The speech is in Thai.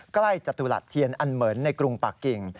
จตุรัสเทียนอันเหมือนในกรุงปากกิ่ง